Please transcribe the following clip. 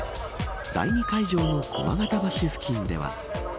第２会場の駒形橋付近では。